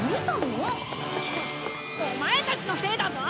オマエたちのせいだぞ！